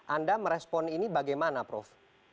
anda merespon ini bagaimana prof